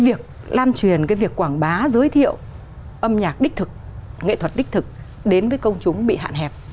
việc lan truyền cái việc quảng bá giới thiệu âm nhạc đích thực nghệ thuật đích thực đến với công chúng ta